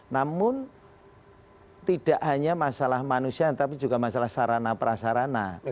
namun tidak hanya masalah manusia tapi juga masalah sarana prasarana